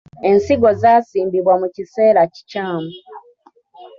Ensigo zaasimbibwa mu kiseera kikyamu.